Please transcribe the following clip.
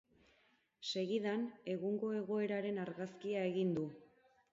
Segidan, egungo egoeraren argazkia egin du.